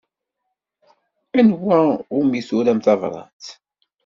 Anwa umi turam tabṛat?